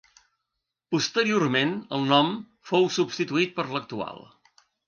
Posteriorment el nom fou substituït per l'actual.